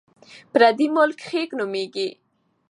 پردی ملک خیګ نومېږي.